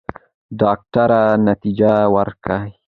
ډاکټره نتیجه ورکوي.